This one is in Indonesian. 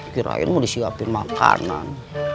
kirain mau disiapin makanan